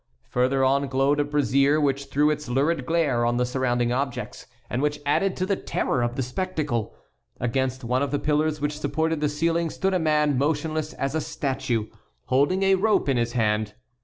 Further on glowed a brazier, which threw its lurid glare on the surrounding objects, and which added to the terror of the spectacle. Against one of the pillars which supported the ceiling stood a man motionless as a statue, holding a rope in his hand.